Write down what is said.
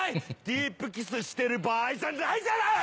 ディープキスしてる場合じゃないじゃない！